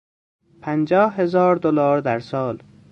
پنجاه هزار دلار در سال